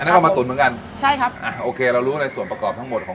อันนี้เอามาตุ๋นเหมือนกันใช่ครับอ่าโอเคเรารู้ในส่วนประกอบทั้งหมดของ